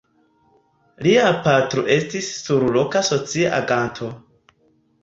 Lia patro estis surloka socia aganto.